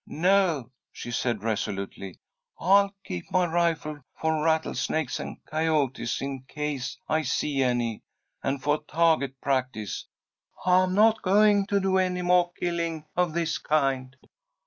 "No," she said, resolutely, "I'll keep my rifle for rattlesnakes and coyotes, in case I see any, and for tah'get practice, but I'm not going to do any moah killing of this kind.